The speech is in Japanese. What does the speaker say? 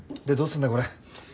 でどうすんだよこれ。